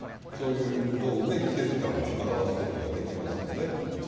そういう道具で季節感も表すことができますんで。